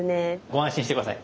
ご安心して下さい。